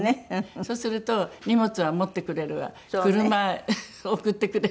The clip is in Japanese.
そうすると荷物は持ってくれるわ車送ってくれる。